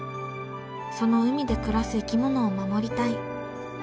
その海で暮らす生き物を守りたい。